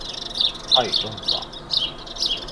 はい論破